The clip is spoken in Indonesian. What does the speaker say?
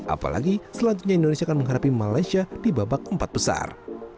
apalagi selanjutnya indonesia akan menghadapi malaysia di babak empat besar